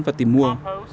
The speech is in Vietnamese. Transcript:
và tìm mua